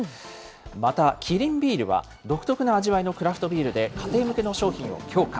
また、キリンビールは、独特な味わいのクラフトビールで家庭向けの商品を強化。